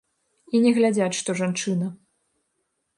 І не глядзяць, што жанчына.